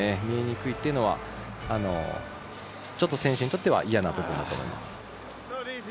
見えにくいというのはちょっと選手にとっては嫌な部分だと思います。